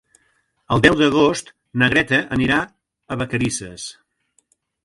El deu d'agost na Greta anirà a Vacarisses.